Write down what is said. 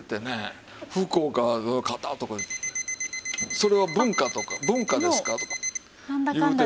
それを文化とか文化ですかとか言うてたら。